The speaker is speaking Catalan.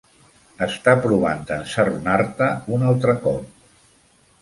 Està provant de ensarronar-te un altre cop.